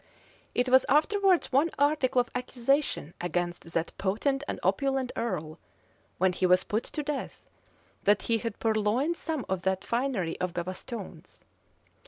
288 It was afterwards one article of accusation against that potent and opulent earl, when he was put to death, that he had purloined some of that finery of Gavaston's.